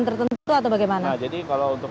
tertentu atau bagaimana jadi kalau untuk